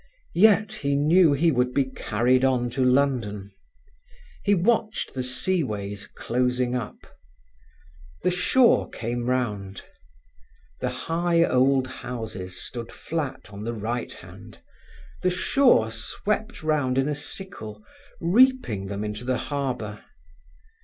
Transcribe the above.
Yet he knew he would be carried on to London. He watched the sea ways closing up. The shore came round. The high old houses stood flat on the right hand. The shore swept round in a sickle, reaping them into the harbour.